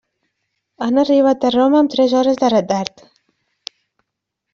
Han arribat a Roma amb tres hores de retard.